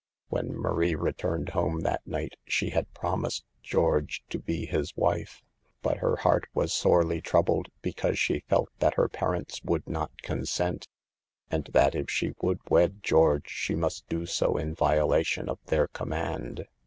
When Marie returned home that night she had promised George to be his wife. But her heart was sorely troubled, because she felt that her parents would not consent, and that if she would wed George she must do so in violation of their command.